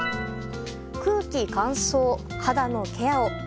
空気乾燥、肌のケアを。